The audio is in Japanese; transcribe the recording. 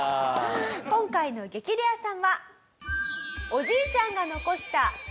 今回の激レアさんは。